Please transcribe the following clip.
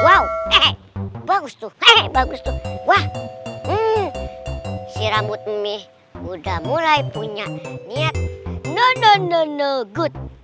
wow bagus tuh bagus tuh wah si rambut mie udah mulai punya niat no no no no good